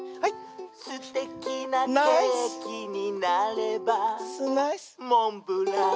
「すてきなケーキになればモンブラン！」